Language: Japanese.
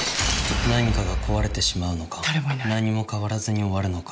何かが壊れてしまうのか何も変わらずに終わるのか。